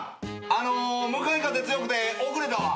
あの向かい風強くて遅れたわ。